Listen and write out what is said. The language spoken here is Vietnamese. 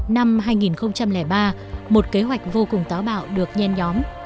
năm hai nghìn ba một kế hoạch vô cùng táo bạo được nhen nhóm